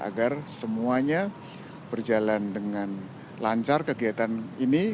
agar semuanya berjalan dengan lancar kegiatan ini